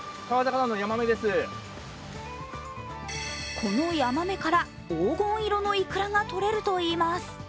このヤマメから黄金色のイクラがとれるといいます。